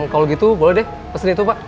kalau gitu boleh deh pesan itu pak